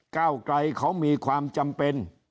ก้าวไกลเขามีความจำเป็น